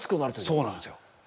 そうなんですよ。